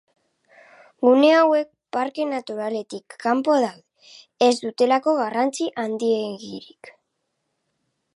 Gune hauek parke naturaletik kanpo daude, ez dutelako garrantzi handiegirik.